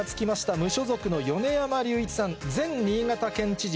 無所属の米山隆一さん、前新潟県知事。